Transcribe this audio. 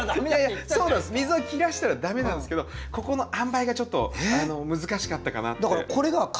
水を切らしたら駄目なんですけどここのあんばいがちょっと難しかったかなって。